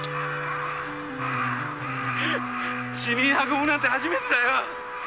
死人運ぶなんて初めてだよ。